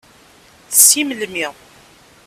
Si melmi.